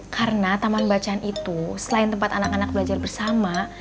karena taman bacaan itu selain tempat anak anak belajar bersama